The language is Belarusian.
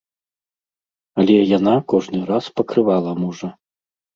Але яна кожны раз пакрывала мужа.